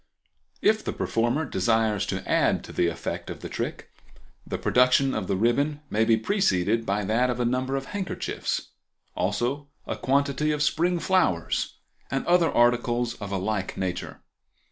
If the performer desires to add to the effect of the trick the production of the ribbon may be preceded by that of a number of handkerchiefs, also a quantity of spring flowers and other articles of a like nature.